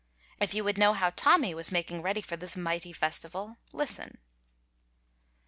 If you would know how Tommy was making ready for this mighty festival, listen.